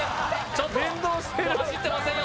ちょっと走ってませんよ